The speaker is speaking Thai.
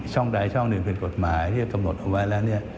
ช่องใดช่องหนึ่งเป็นกฎหมายที่กำหนดเอาไว้แล้ว